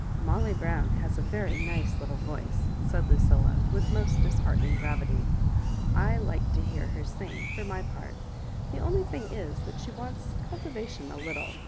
" Molly Brown has a very nice little voice," said Lucilla, with most disheartening gravity. I like to hear her sing, for my part — the only thing is that she wants cultivation a little.